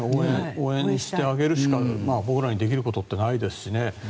応援してあげることしか僕らにできることってないですしね。